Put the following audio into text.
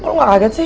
kok lu ga kaget sih